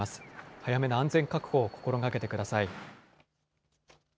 早めの安全確保を心がけてください。